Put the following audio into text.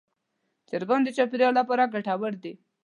چرګان د چاپېریال لپاره ګټور دي.